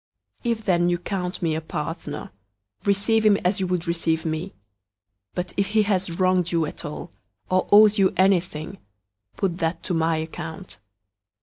001:017 If then you count me a partner, receive him as you would receive me. 001:018 But if he has wronged you at all, or owes you anything, put that to my account.